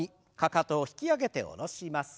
かかとを引き上げて下ろします。